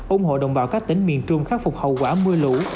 ủng hộ đồng bào các tỉnh miền trung khắc phục hậu quả mưa lũ